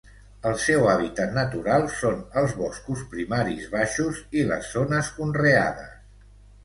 El seu hàbitat natural són els boscos primaris baixos i les zones conreades.